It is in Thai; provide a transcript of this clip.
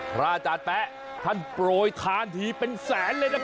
อาจารย์แป๊ะท่านโปรยทานทีเป็นแสนเลยนะครับ